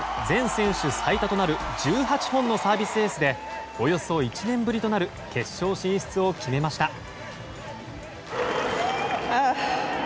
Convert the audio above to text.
全選手最多となる１８本のサービスエースでおよそ１年ぶりとなる決勝進出を決めました。